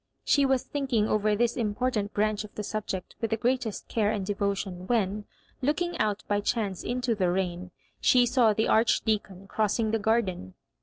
She was thinking over this important branch of the subject with the greatest care and devotion, when, looking out by chance into the rain, she saw the Archdeacon crossing the gar den.